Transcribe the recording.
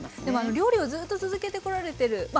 でも料理をずっと続けてこられてる